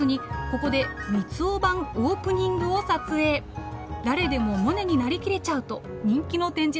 誰でもモネになりきれちゃうと人気の展示です。